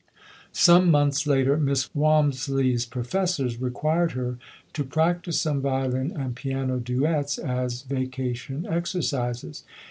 Some months later, Miss Walmisley's profes sors required her to practice some violin and piano duets as vacation exercises.